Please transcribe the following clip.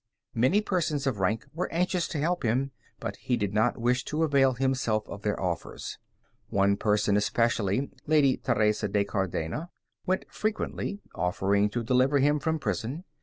Many persons of rank were anxious to help him, but he did not wish to avail himself of their offers. One person especially, Lady Teresa de Cardena, sent frequently, offering to deliver him from prison.